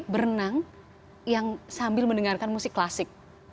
berenang yang sambil mendengarkan musik klasik